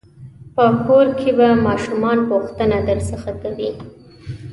په کور کې به ماشومان پوښتنه درڅخه کوي.